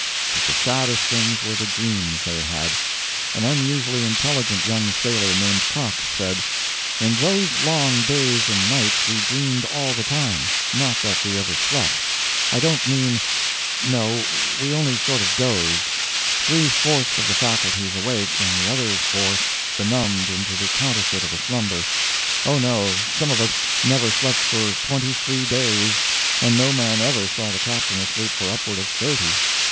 But the saddest things were the dreams they had. An unusually intelligent young sailor named Cox said: "In those long days and nights we dreamed all the time—not that we ever slept. I don't mean—no, we only sort of dozed—three fourths of the faculties awake and the other fourth benumbed into the counterfeit of a slumber; oh, no—some of us never slept for twenty three days, and no man ever saw the Captain asleep for upward of thirty.